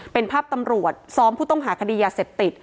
เป็นภาพตำรวจซ้อมผู้ต้องหาคดียาเสพติด